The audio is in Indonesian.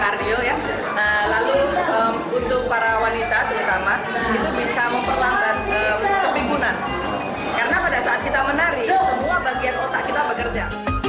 karena pada saat kita menari semua bagian otak kita bekerja